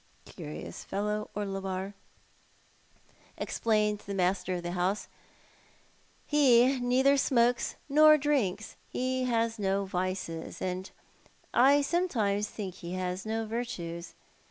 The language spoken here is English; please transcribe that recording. " Curious fellow, Orlebar," explained the master of the house; "he neither smokes nor drinks. He has no vices ; and I some times think he has no virtues.